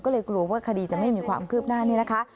ก็เลยกลัวว่าคดีจะไม่มีความคืบหน้านี่นะคะ